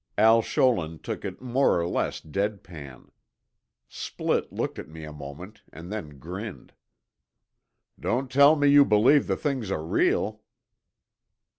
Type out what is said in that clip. Al Scholin took it more or less dead pan. Splitt looked at me a moment and then grinned. "Don't tell me you believe the things are real?"